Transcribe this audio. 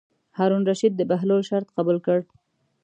هارون الرشید د بهلول شرط قبول کړ.